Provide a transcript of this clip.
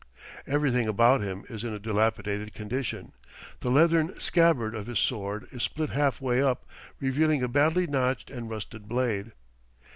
Everything about him is in a dilapidated condition; the leathern scabbard of his sword is split half way up, revealing a badly notched and rusted blade.